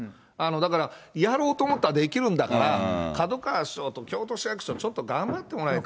だから、やろうと思ったらできるんだから、門川市長と京都市役所、頑張ってもらいたい。